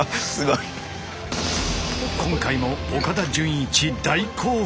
今回も岡田准一大興奮！